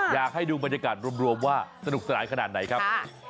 อยากให้ดูบรรยากาศรวมว่าสนุกสนานขนาดไหนครับ